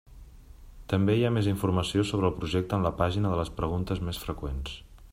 També hi ha més informació sobre el projecte en la pàgina de les preguntes més freqüents.